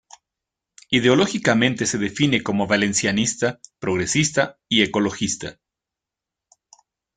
Ideológicamente se define como valencianista, progresista y ecologista.